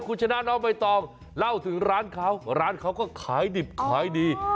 คุณชนะน้องใบตองเล่าถึงร้านเขาร้านเขาก็ขายดิบขายดี